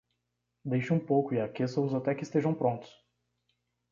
Deixe um pouco e aqueça-os até que estejam prontos.